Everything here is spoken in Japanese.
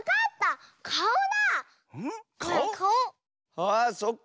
あそっか！